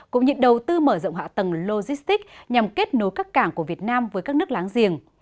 cũng như đầu tư mở rộng hạ tầng logistics nhằm kết nối các cảng của việt nam với các nước láng giềng